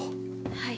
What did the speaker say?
はい。